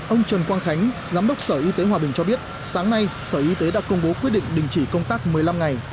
ông trần quang khánh giám đốc sở y tế hòa bình cho biết sáng nay sở y tế đã công bố quyết định đình chỉ công tác một mươi năm ngày